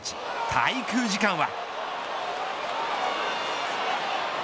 滞空時間は。